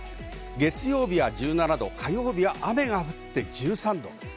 月曜日は１７度、火曜日は雨が降って１３度。